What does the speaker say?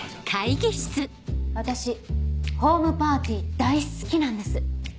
私ホームパーティー大好きなんです。